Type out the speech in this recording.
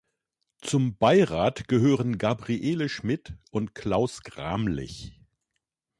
Zum Beirat gehören Gabriele Schmidt und Klaus Gramlich.